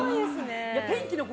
「天気の子」